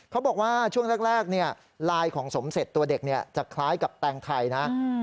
เขาบอกว่าช่วงแรกลายของสมเสร็จตัวเด็กจะคล้ายกับแตงไทยนะ